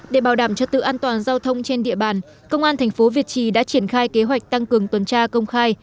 để bảo đảm cho tự an toàn giao thông trên địa bàn công an thành phố việt trì đã triển khai kế hoạch tăng cường tuần tra công khai